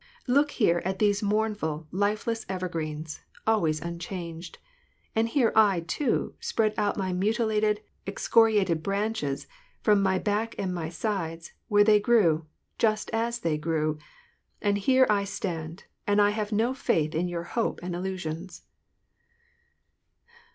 Look here at these mournful, lifeless evergreens, always unchanged ; and here I, too, spread out my mutilated, excoriated branches, from my back and my sides, where they grew, just as they grew ; and here I stand, and I have no faith in your hopes and illusions